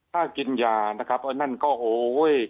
ถ้ากินยานะครับอันนั้นก็โอ้โฮ